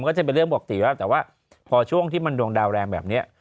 ก็จะเป็นเรื่องปกติแล้วแต่ว่าพอช่วงที่มันดวงดาวแรงแบบนี้